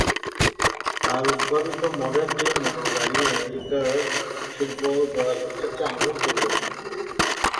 তার উদ্ভাবিত মডেল টি মোটরগাড়ি আমেরিকার শিল্প ও যোগাযোগ ক্ষেত্রে আমূল পরিবর্তন আনে।